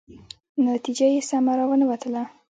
نتیجه یې سمه را ونه وتله.